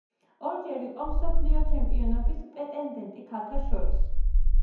ორჯერ იყო მსოფლიო ჩემპიონობის პრეტენდენტი ქალთა შორის.